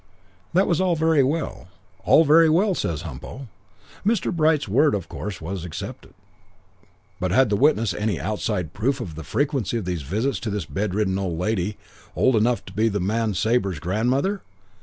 "That was all very well, all very well, says Humpo. Mr. Bright's word was of course accepted, but had the witness any outside proof of the frequency of these visits to this bedridden old lady old enough to be the man Sabre's grandmother?